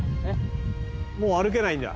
もう歩けないんだ。